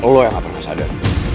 lo yang gak pernah sadar